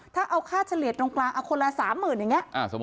ถ้าเอาค่าเฉลี่ยตรงกลางเอาคนละ๓๐๐๐อย่างนี้